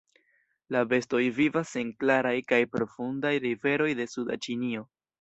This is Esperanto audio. La bestoj vivas en klaraj kaj profundaj riveroj de suda Ĉinio.